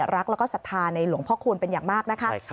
รักและสัทธาในหลวงพ่อคูณเป็นอย่างมาก